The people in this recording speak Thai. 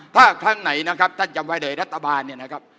ถ้าครั้งไหนนะครับท่านจำไว้เลยรัฐบาลเนี่ยนะครับ